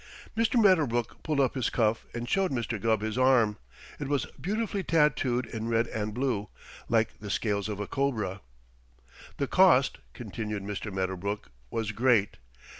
Mr. Medderbrook pulled up his cuff and showed Mr. Gubb his arm. It was beautifully tattooed in red and blue, like the scales of a cobra. "The cost," continued Mr. Medderbrook, "was great.